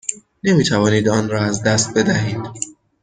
نمی توانید آن را از دست بدهید.